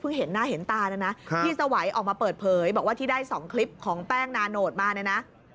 เห็นหน้าเห็นตานะนะพี่สวัยออกมาเปิดเผยบอกว่าที่ได้๒คลิปของแป้งนาโนตมาเนี่ยนะ